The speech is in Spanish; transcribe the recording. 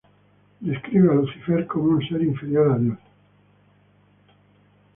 Describe a Lucifer como ser inferior a Dios.